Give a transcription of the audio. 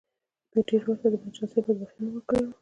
ډېرو ورته د بدچانسۍ او بدبختۍ نوم ورکړی دی